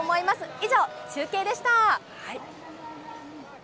以上、中継でした。